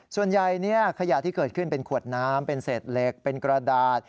ส่วนใหญ่ขยะที่เกิดขึ้นเป็นขวดน้ำเป็นเศษเหล็กเป็นกระดาษ